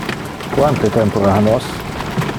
Quante tempore ha nos?